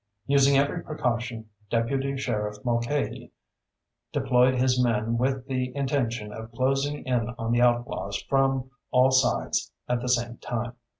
Using every precaution, Deputy Sheriff Mulcahy deployed his men with the intention of closing in on the outlaws from, all sides at the same time.